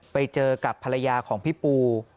ไปเจอกับภรรยาของพี่ปู